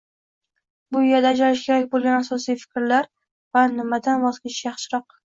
Bu erda bajarilishi kerak bo'lgan asosiy fikrlar va nimadan voz kechish yaxshiroq